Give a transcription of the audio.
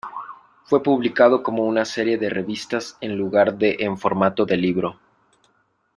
Fue publicado como una serie de revistas en lugar de en formato de libro.